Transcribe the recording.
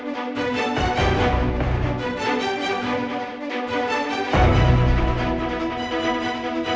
masih tak ada mielot itu